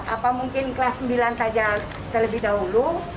apa mungkin kelas sembilan saja terlebih dahulu